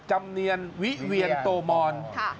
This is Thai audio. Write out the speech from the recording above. จำเนียนวิเวียนโตมอน